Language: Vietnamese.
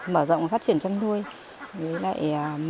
mở rộng phát triển chăn nuôi mở một sưởng sản xuất chế biến vịt thương phẩm